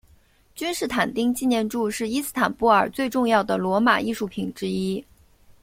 君士坦丁纪念柱是伊斯坦布尔最重要的罗马艺术品之一。